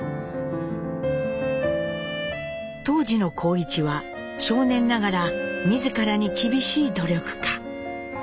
当時の幸一は少年ながら自らに厳しい努力家。